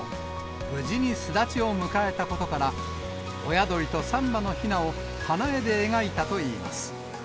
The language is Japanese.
無事に巣立ちを迎えたことから、親鳥と３羽のひなを花絵で描いたといいます。